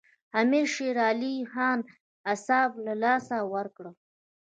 امیر شېر علي خان اعصاب له لاسه ورکړل.